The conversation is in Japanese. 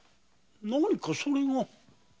何かそれが？